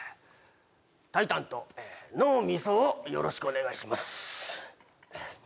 タイタンと脳みそ夫よろしくお願いします